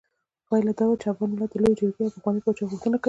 پايله دا وه چې افغان ملت د لویې جرګې او پخواني پاچا غوښتنه کوي.